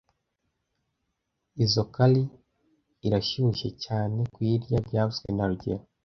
Izoi curry irashyushye cyane kuyirya byavuzwe na rugero